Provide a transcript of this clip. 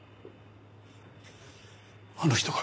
あの人が。